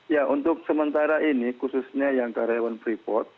ya untuk sementara ini khususnya yang karyawan freeport